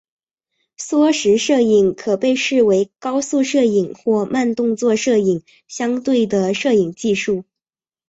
缩时摄影可被视为与高速摄影或慢动作摄影相对的摄影技术。